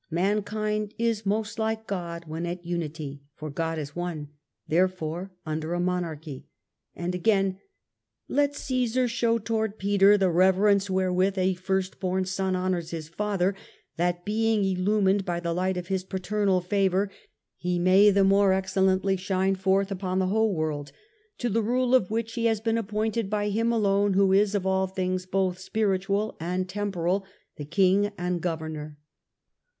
Mankind is most like God when at unity, for God is one ; therefore under a monarchy ;" and again, " Let Caesar show towards Peter the reverence wherewith a first born son honours his father, that, being illumined by the light of his paternal favour, he may the more excellently shine forth upon the whole world, to the rule of which he has been appointed by Him alone who is of all things, both spiritual and temporal, the King and Governor."